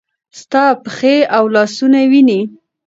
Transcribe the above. ستا پښې او لاسونه وینې ؟